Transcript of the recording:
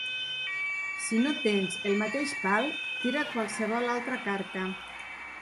Si no tens el mateix pal, tira qualsevol altra carta.